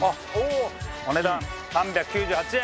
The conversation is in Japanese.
お値段３９８円。